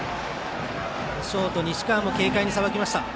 ショート西川も軽快にさばきました。